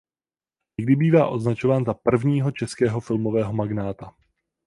Někdy bývá označován za prvního českého filmového magnáta.